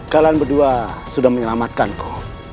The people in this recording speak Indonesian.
kalian berdua sudah menyelamatkan ku